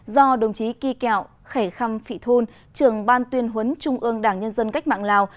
do đồng chí kỳ kẹo khẻ khăm phị thun trưởng ban tuyên huấn trung ương đảng nhân dân cách mạng lào